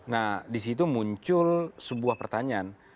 nah disitu muncul sebuah pertanyaan